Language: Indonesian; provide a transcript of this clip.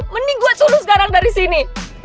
mending gue turun sekarang dari sini